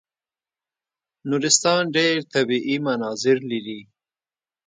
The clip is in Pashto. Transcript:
نورستان ډېر طبیعي مناظر لري.